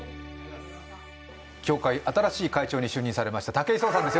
協会新しい会長に就任されました武井壮さんです